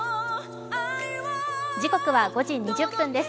時刻は５時２０分です。